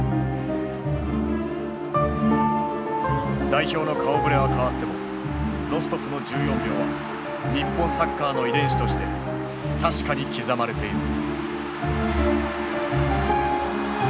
代表の顔ぶれは変わってもロストフの１４秒は日本サッカーの遺伝子として確かに刻まれている。